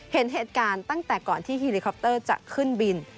เห็นเหตุการณ์ตั้งแต่ก่อนที่เฮลิคอปเตอร์จะขึ้นบิน